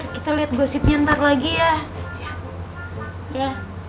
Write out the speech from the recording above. kita lihat gosip nyentak lagi ya ya